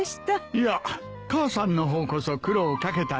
いや母さんの方こそ苦労掛けたな。